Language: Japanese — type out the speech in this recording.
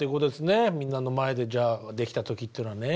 みんなの前でじゃあできた時っていうのはね。